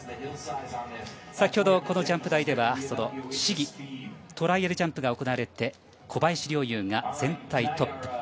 先ほど、このジャンプ台では試技トライアルジャンプが行われて小林陵侑が全体トップ。